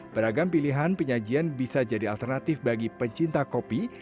beragam pilihan penyajian bisa jadi alternatif bagi pencinta kopi